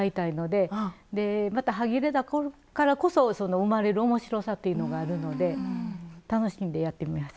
でまたはぎれだからこそその生まれる面白さというのがあるので楽しんでやってみました。